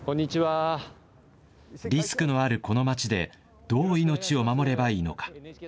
リスクのあるこの町でどう命を守ればいいのか。